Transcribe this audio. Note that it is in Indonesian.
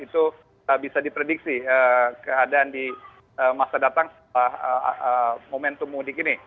itu bisa diprediksi keadaan di masa datang setelah momentum mudik ini